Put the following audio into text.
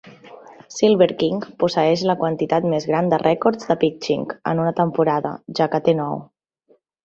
Silver King posseeix la quantitat més gran de rècords de "pitching" en una temporada, ja que té nou.